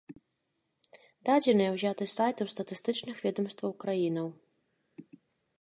Дадзеныя ўзятыя з сайтаў статыстычных ведамстваў краінаў.